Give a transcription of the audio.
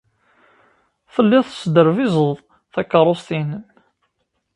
Telliḍ tesderbizeḍ takeṛṛust-nnem.